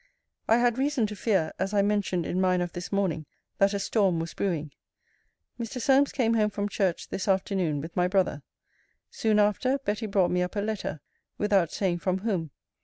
I had reason to fear, as I mentioned in mine of this morning, that a storm was brewing. Mr. Solmes came home from church this afternoon with my brother. Soon after, Betty brought me up a letter, without saying from whom.